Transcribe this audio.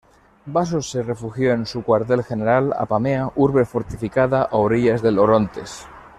Baso se refugió en su cuartel general, Apamea, urbe fortificada a orillas del Orontes.